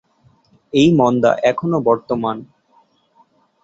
এই মন্দা এখনও বর্তমান।